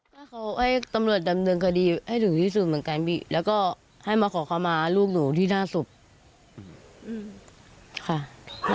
ถ้าเขาให้ตำรวจดำเนินคดีให้ถึงที่สุดเหมือนกันพี่แล้วก็ให้มาขอเข้ามาลูกหนูที่หน้าศพค่ะ